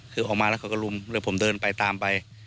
คือออกมาแล้วเขาก็ลุมแล้วผมเดินไปตามไป